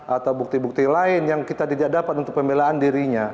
atau bukti bukti lain yang kita tidak dapat untuk pembelaan dirinya